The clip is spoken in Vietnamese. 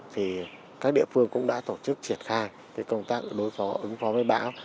thì các địa phương cũng đã tổ chức triển khai công tác đối phó ứng phó với bão